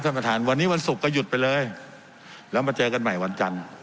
ท่านประธานวันนี้วันศุกร์ก็หยุดไปเลยแล้วมาเจอกันใหม่วันจันทร์